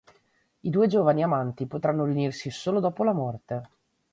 I due giovani amanti potranno riunirsi solo dopo la morte.